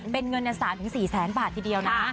เป็นเงินเนื้อสามถึงสี่แสนบาททีเดียวนะ